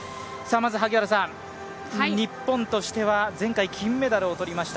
まず日本としては前回金メダルを取りました。